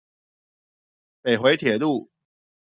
北迴鐵路